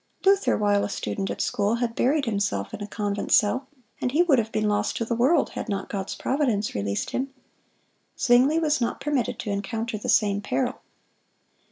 Luther, while a student at school, had buried himself in a convent cell, and he would have been lost to the world had not God's providence released him. Zwingle was not permitted to encounter the same peril.